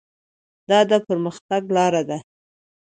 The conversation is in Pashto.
دا د پرمختګ لاره ده.